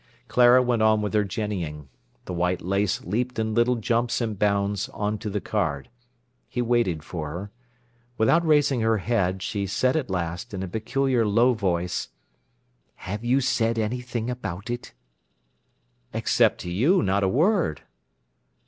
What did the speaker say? Clara went on with her jennying. The white lace leaped in little jumps and bounds on to the card. He waited for her. Without raising her head, she said at last, in a peculiar low voice: "Have you said anything about it?" "Except to you, not a word."